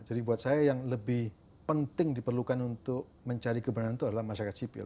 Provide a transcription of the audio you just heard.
jadi buat saya yang lebih penting diperlukan untuk mencari kebenaran itu adalah masyarakat sipil